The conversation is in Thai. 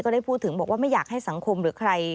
ได้พูดถึงบอกว่าไม่อยากให้สังคมหรือใคร